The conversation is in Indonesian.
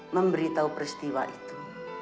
memberitahu peristiwa itu